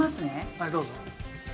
はいどうぞ。